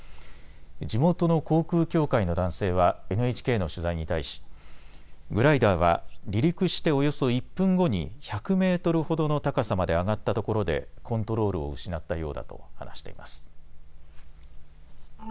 地元の航空協会の男性はＮＨＫの取材に対しグライダーは離陸しておよそ１分後に１００メートルほどの高さまで上がったところでコントロールを失ったようだと話しています。